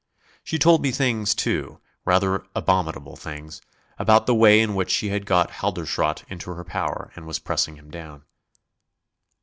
She told me things, too, rather abominable things, about the way in which she had got Halderschrodt into her power and was pressing him down.